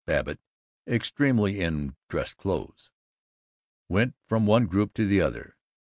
Babbitt (extremely in dress clothes) went from one group to the other.